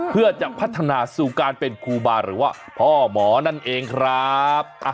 เพื่อจะพัฒนาสู่การเป็นครูบาหรือว่าพ่อหมอนั่นเองครับ